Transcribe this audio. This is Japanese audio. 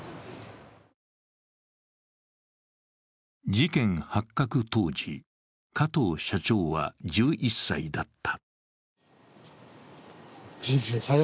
事件発覚当時、加藤社長は１１歳だった。